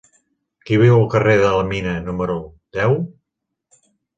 Qui viu al carrer de Mina número deu?